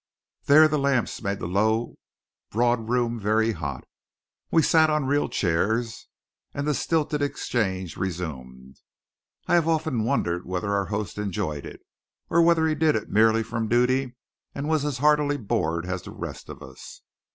There the lamps made the low broad room very hot. We sat on real chairs and the stilted exchange resumed. I have often wondered whether our host enjoyed it, or whether he did it merely from duty, and was as heartily bored as the rest of us.